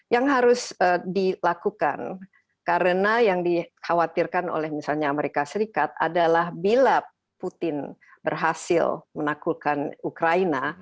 yang harus dilakukan karena yang dikhawatirkan oleh misalnya amerika serikat adalah bila putin berhasil menaklukkan ukraina